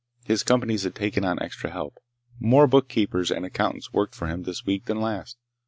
His companies had taken on extra help. More bookkeepers and accountants worked for him this week than last.